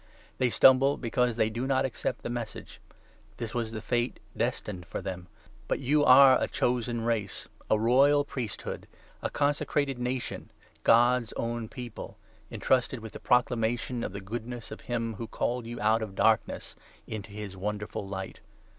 They stumble because they do not accept the Message. This was the fate destined for them. But you are ' a chosen race, 9 a royal priesthood, a consecrated nation, God's own People,' entrusted with the proclamation of the goodness of him who called you out of Darkness into his wonderful Light.